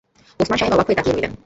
ওসমান সাহেব অবাক হয়ে তাকিয়ে রইলেন।